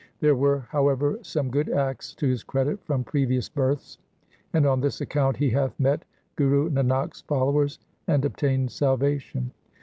There were, how ever, some good acts to his credit from previous births, and on this account he hath met Guru Nanak's followers and obtained salvation.